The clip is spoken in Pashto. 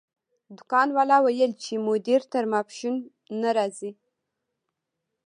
دکان والا وویل چې مدیر تر ماسپښین نه راځي.